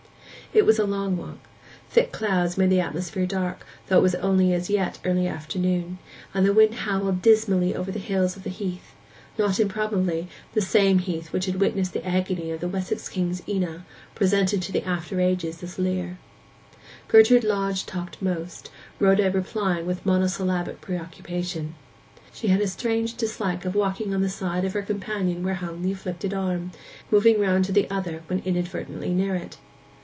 It was a long walk; thick clouds made the atmosphere dark, though it was as yet only early afternoon; and the wind howled dismally over the hills of the heath—not improbably the same heath which had witnessed the agony of the Wessex King Ina, presented to after ages as Lear. Gertrude Lodge talked most, Rhoda replying with monosyllabic preoccupation. She had a strange dislike to walking on the side of her companion where hung the afflicted arm, moving round to the other when inadvertently near it.